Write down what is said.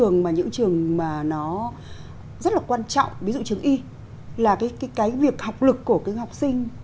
những trường mà nó rất là quan trọng ví dụ trường y là cái việc học lực của các học sinh